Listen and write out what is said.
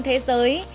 trong phần tiết kiệm